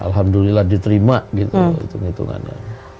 alhamdulillah diterima gitu hitung hitungannya